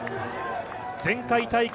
前回大会